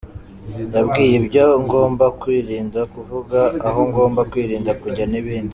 Yambwiye ibyo ngomba kwirinda kuvuga, aho ngomba kwirinda kujya …n’ibindi.